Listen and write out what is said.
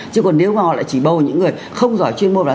chứ còn nếu mà họ lại chỉ bầu những người không giỏi chuyên môn nào